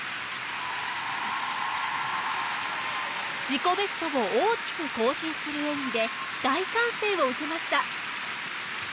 自己ベストを大きく更新する演技で大歓声を受けました。